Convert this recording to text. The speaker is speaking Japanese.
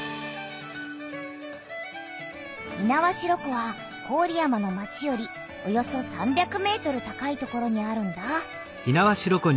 猪苗代湖は郡山の町よりおよそ３００ｍ高い所にあるんだ。